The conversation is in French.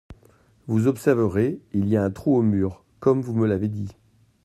Vous observerez, il y a un trou au mur, comme vous me l'avez dit.